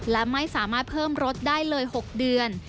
และไม่สามารถเพิ่มรถได้เลย๖เดือน